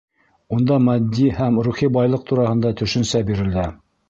Унда матди һәм рухи байлыҡ тураһында төшөнсә бирелә.